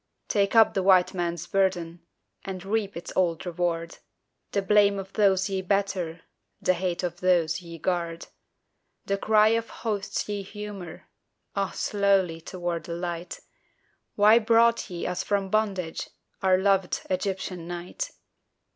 Take up the White Man's burden And reap his old reward; The blame of those ye better, The hate of those ye guard The cry of hosts ye humour (Ah, slowly!) toward the light: "Why brought ye us from bondage, Our loved Egyptian night?"